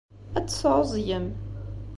Ad tesɛuẓẓgem.